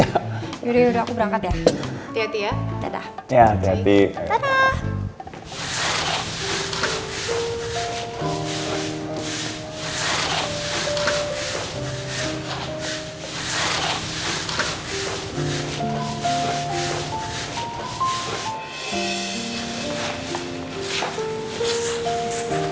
yaudah yaudah aku berangkat ya